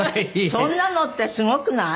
そんなのってすごくない？